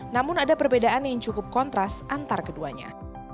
namun ada perbedaan yang cukup kontras antar keduanya